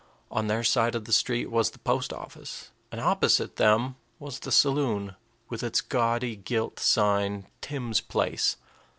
On their side of the street was the post office, and opposite them was the saloon, with its gaudy gilt sign, "Tim's Place."